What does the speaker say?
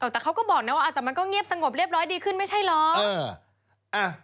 แต่เขาก็บอกนะว่าแต่มันก็เงียบสงบเรียบร้อยดีขึ้นไม่ใช่เหรอ